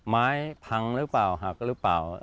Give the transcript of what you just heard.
ไม้พังหรือเปล่าหักหรือเปล่า